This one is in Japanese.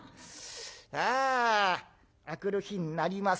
ああ明くる日になります。